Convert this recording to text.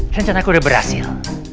rencanaku udah berhasil